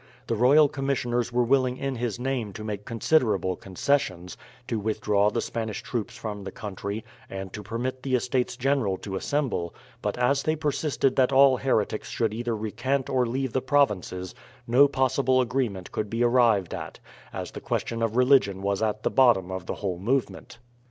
The Royal Commissioners were willing in his name to make considerable concessions, to withdraw the Spanish troops from the country, and to permit the Estates General to assemble; but as they persisted that all heretics should either recant or leave the provinces, no possible agreement could be arrived at, as the question of religion was at the bottom of the whole movement.